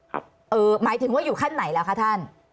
หมายถึงว่าอยู่ขั้นไหนแล้วคะท่าน